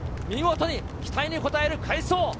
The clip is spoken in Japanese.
見事に、期待に応える快走。